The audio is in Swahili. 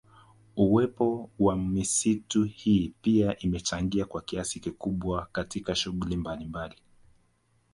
Uwepo wa misitu hii pia imechangia kwa kiasi kikubwa katika shughuli mbalimbali